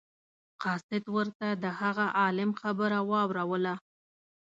قاصد ورته د هغه عالم خبره واوروله.